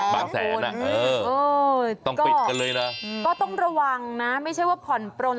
แสนอ่ะเออต้องปิดกันเลยนะก็ต้องระวังนะไม่ใช่ว่าผ่อนปลน